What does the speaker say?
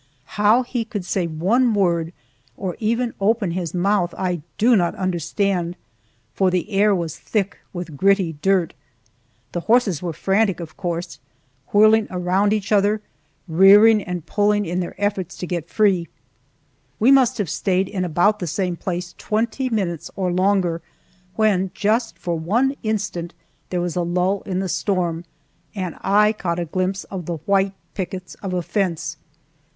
How he could say one word, or even open his mouth, I do not understand, for the air was thick with gritty dirt. The horses were frantic, of course, whirling around each other, rearing and pulling, in their efforts to get free. We must have stayed in about the same place twenty minutes or longer, when, just for one instant, there was a lull in the storm, and I caught a glimpse of the white pickets of a fence!